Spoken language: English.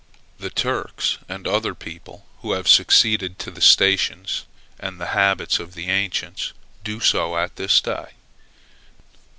The Turks and other people, who have succeeded to the stations and the habits of the ancients, do so at this day.